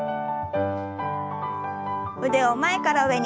腕を前から上に。